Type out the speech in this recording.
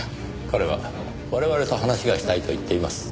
彼は我々と話がしたいと言っています。